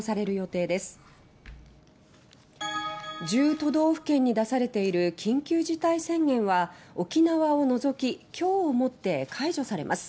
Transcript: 都道府県に出されている緊急事態宣言は沖縄を除ききょうをもって解除されます。